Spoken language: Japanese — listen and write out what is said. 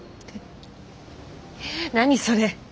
何それ。